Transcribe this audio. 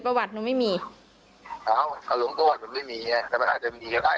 ประวัติหนูไม่มีอ้าวก็ลงประวัติหนูไม่มีไงแต่มันอาจจะมีก็ได้